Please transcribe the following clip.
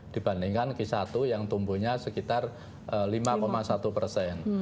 dibandingkan k satu yang tumbuhnya sekitar lima satu persen